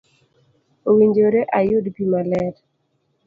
owinjore ayud pi maler.